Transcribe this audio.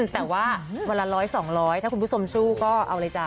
แต่ว่าวันละ๑๐๐๒๐๐ถ้าคุณผู้ชมสู้ก็เอาเลยจ้